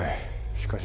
しかし。